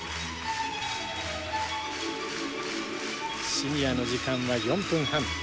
シニアの時間は４分半。